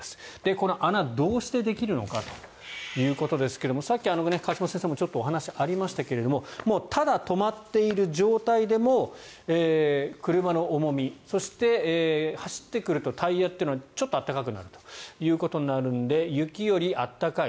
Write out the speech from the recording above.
この穴、どうしてできるのかということですがさっき河島先生もちょっとお話がありましたがただ止まっている状態でも車の重みそして、走ってくるとタイヤというのはちょっと温かくなるということになるので雪より温かい。